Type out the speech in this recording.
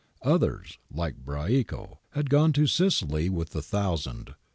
Others, like Braico, had gone to Sicily with the Thousand.